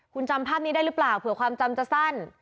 คุณจำภาพนี้ได้หรือเปล่าเผื่อความจำจะสั้น